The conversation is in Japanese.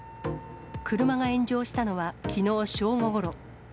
車が炎上したのはきのう正午ごろ。